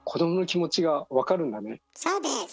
そうです！